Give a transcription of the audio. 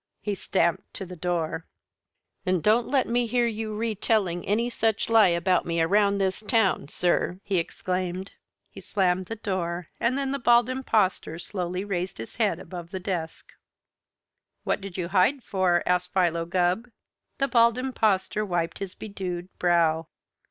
He stamped to the door. "And don't let me hear you retailing any such lie about me around this town, sir!" he exclaimed. He slammed the door, and then the Bald Impostor slowly raised his head above the desk. "What did you hide for?" asked Philo Gubb. The Bald Impostor wiped his bedewed brow.